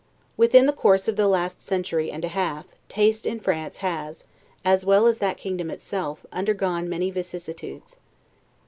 Within the course of the last century and a half, taste in France has (as well as that kingdom itself) undergone many vicissitudes.